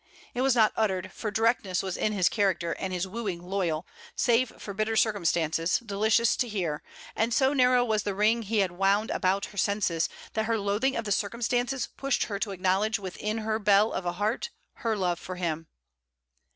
It was not uttered, for directness was in his character and his wooing loyal save for bitter circumstances, delicious to hear; and so narrow was the ring he had wound about her senses, that her loathing of the circumstances pushed her to acknowledge within her bell of a heart her love for him.